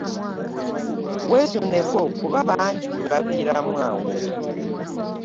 Weesuneko kuba bangi baviiramu awo!